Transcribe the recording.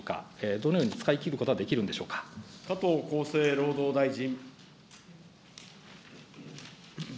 どのように使い切ることができる加藤厚生労働大臣。